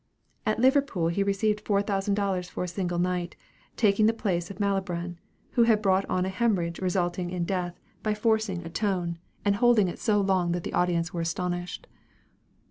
At Liverpool he received four thousand dollars for a single night, taking the place of Malibran, who had brought on a hemorrhage resulting in death, by forcing a tone, and holding it so long that the audience were astonished.